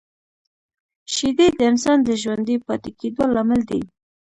شیدې د انسان د ژوندي پاتې کېدو لامل دي